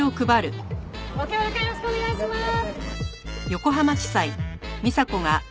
ご協力よろしくお願いします。